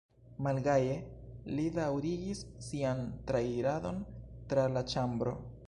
Malgaje li daŭrigis sian trairadon tra la ĉambro.